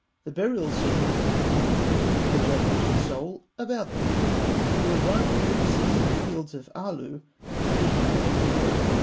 The burial scene comes at the beginning; the judgment of the soul about the middle; and the arrival of the deceased in the Fields of Aalû at the end of the work.